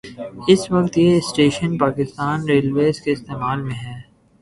اس وقت یہ station Pakistan railways کے استعمال میں ہے